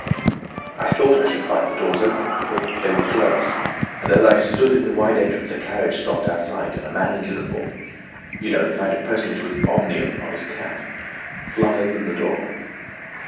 I had thought I should find the doors open, but they were closed, and as I stood in the wide entrance a carriage stopped outside, and a man in uniform—you know the kind of personage with 'Omnium' on his cap—flung open the door.